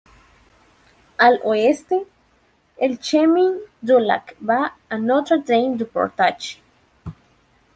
Al oeste, el chemin du Lac va a Notre-Dame-du-Portage.